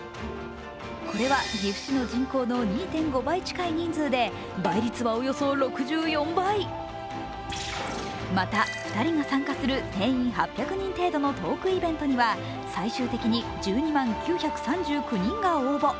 これは岐阜市の人口の２．５倍近い人数で倍率はおよそ６４倍また、２人が参加する定員８００人程度のトークイベントには最終的に１２万９３９人が応募。